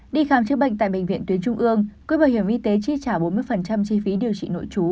đi khám chữa bệnh tại bệnh viện tuyến trung ương quỹ bảo hiểm y tế chi trả bốn mươi chi phí điều trị nội trú